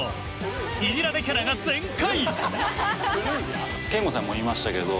イジられキャラが全開。